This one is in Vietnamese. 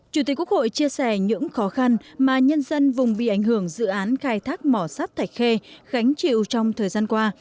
chủ tịch quốc hội chia sẻ những khó khăn mà nhân dân vùng bị ảnh hưởng dự án khai thác mỏ sắt thạch khê gánh chịu trong thời gian qua